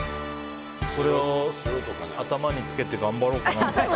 これを頭に着けて頑張ろうかな。